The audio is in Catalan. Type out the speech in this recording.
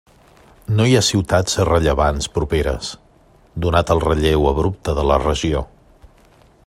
No hi ha ciutats rellevants properes, donat el relleu abrupte de la regió.